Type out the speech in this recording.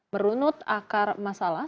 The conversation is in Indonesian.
berunut akar masalah